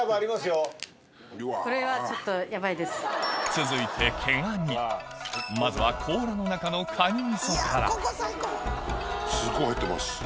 続いてまずは甲羅の中のからすごい入ってます